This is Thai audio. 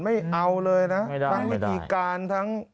ไม่เอาเลยนะทั้งวิธีการทั้ง